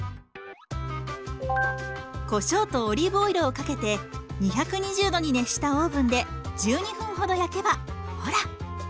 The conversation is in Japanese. こしょうとオリーブオイルをかけて２２０度に熱したオーブンで１２分ほど焼けばほら。